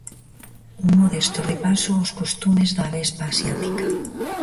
Un Modesto repaso aos costumes da avespa asiática.